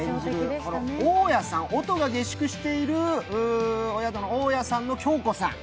大家さん、音が下宿しているお宿の大家さんの響子さん。